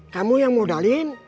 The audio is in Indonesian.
kamu yang modalin